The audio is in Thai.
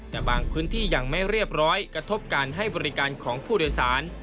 แต่บางพื้นที่ยังไม่เรียบร้อยกระทบการให้บริการของผู้โดยสาร